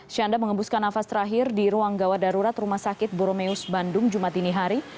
syanda mengembuskan nafas terakhir di ruang gawat darurat rumah sakit boromeus bandung jumat ini hari